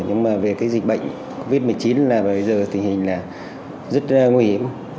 nhưng mà về cái dịch bệnh covid một mươi chín là bây giờ tình hình là rất nguy hiểm